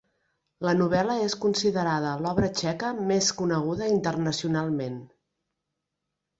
La novel·la és considerada l'obra txeca més coneguda internacionalment.